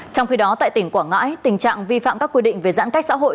trong khi đó tại tỉnh quảng ngãi tình trạng vi phạm các quy định về giãn cách xã hội